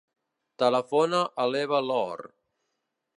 Telefona a l'Eva Loor.